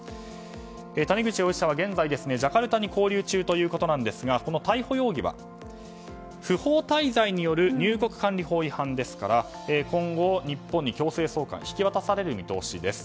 谷口容疑者は現在ジャカルタに勾留中ということですが逮捕容疑は不法滞在による入国管理法違反ですから今後、日本に強制送還引き渡される見通しです。